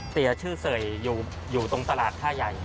เสียชื่อเสยอยู่ตรงตลาดท่าใหญ่